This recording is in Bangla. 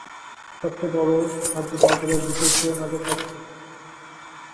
সবচেয়ে বড় সাহায্য পাওয়া যাবে বিটের পিওনাদের কাছ থেকে।